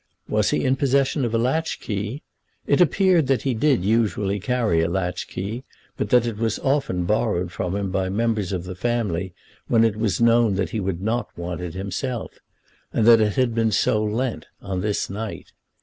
Was he in possession of a latch key? It appeared that he did usually carry a latch key, but that it was often borrowed from him by members of the family when it was known that he would not want it himself, and that it had been so lent on this night.